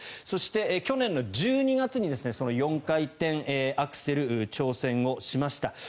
そして、去年の１２月に４回転アクセルに挑戦をしました。